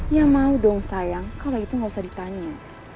ya mau dong sayang kalau gitu gak usah ditanya